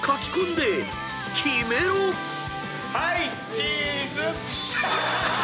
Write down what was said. はいチーズ。